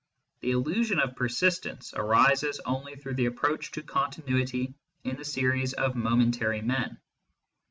The illusion of persistence arises only through the ap proach to continuity in the series of momentary men.